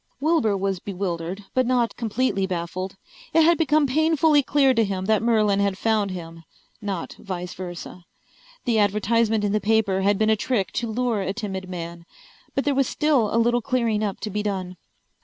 Wilbur was bewildered, but not completely baffled. It had become painfully clear to him that Merlin had found him, not vice versa. The advertisement in the paper had been a trick to lure a timid man. But there was still a little clearing up to be done.